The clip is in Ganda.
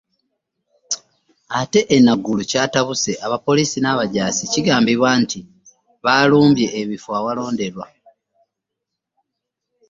Ate e Naguru kyatabuse, abapoliisi n'abajaasi kigambibwa nti baalumbye ebifo awalonderwa